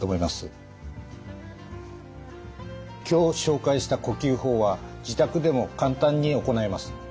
今日紹介した呼吸法は自宅でも簡単に行えます。